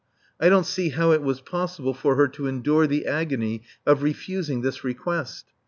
I don't see how it was possible for her to endure the agony of refusing this request.